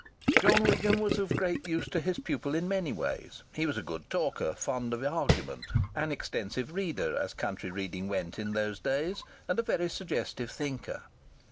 John Wigham was of great use to his pupil in many ways. He was a good talker, fond of argument, an extensive reader as country reading went in those days, and a very suggestive thinker.